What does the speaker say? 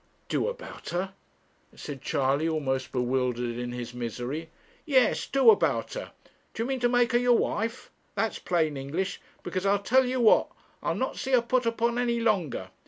'Do about her?' said Charley, almost bewildered in his misery. 'Yes, do about her. Do you mean to make her your wife? That's plain English. Because I'll tell you what: I'll not see her put upon any longer.